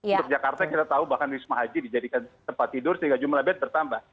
untuk jakarta kita tahu bahkan wisma haji dijadikan tempat tidur sehingga jumlah bed bertambah